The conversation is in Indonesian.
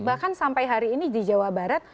bahkan sampai hari ini di jawa barat